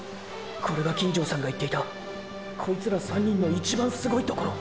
これが金城さんが言っていたこいつら３人の一番すごいところ！！